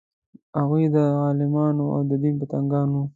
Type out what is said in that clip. هغوی د غلمانو او د دین پتنګان وو.